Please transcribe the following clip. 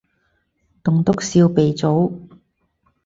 棟篤笑鼻祖